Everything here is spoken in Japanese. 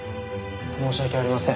申し訳ありません。